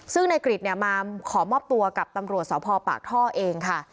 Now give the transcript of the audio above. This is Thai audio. ซึ่งนายกฤทธิ์เนี่ยมาขอมอบตัวกับตำรวจสาวพอปากท่อเองค่ะ